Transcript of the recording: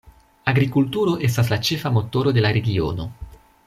Agrikulturo estas la ĉefa motoro de la regiono.